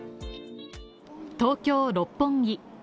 東京・六本木。